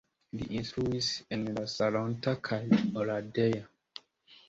Li instruis en Salonta kaj Oradea.